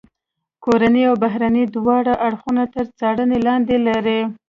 کورني او بهرني دواړه اړخونه تر څارنې لاندې لري.